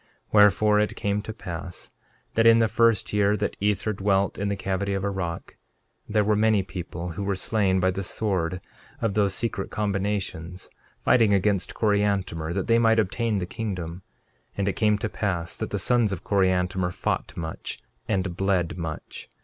13:18 Wherefore, it came to pass that in the first year that Ether dwelt in the cavity of a rock, there were many people who were slain by the sword of those secret combinations, fighting against Coriantumr that they might obtain the kingdom. 13:19 And it came to pass that the sons of Coriantumr fought much and bled much.